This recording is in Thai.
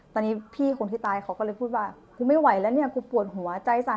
ตอนนี้พี่คนที่ตายเขาก็เลยพูดว่ากูไม่ไหวแล้วเนี่ยกูปวดหัวใจสั่น